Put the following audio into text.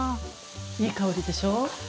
いい香りでしょう。